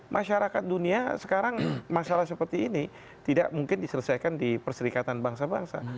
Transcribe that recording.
masyarakat dunia sekarang masalah seperti ini tidak mungkin diselesaikan di perserikatan bangsa bangsa